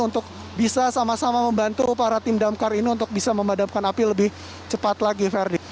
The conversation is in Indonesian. untuk bisa sama sama membantu para tim damkar ini untuk bisa memadamkan api lebih cepat lagi ferdi